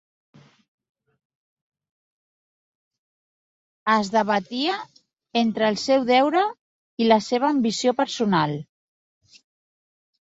Es debatia entre el seu deure i la seva ambició personal.